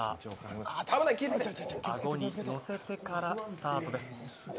アゴにのせてからスタートです。